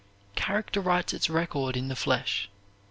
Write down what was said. Character writes its record in the flesh.